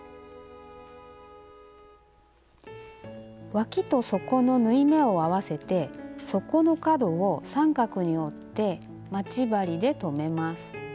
わきと底の縫い目を合わせて底の角を三角に折って待ち針で留めます。